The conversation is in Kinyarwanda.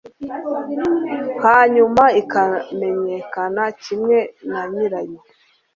hanyuma ikamenyekana kimwe na nyirayo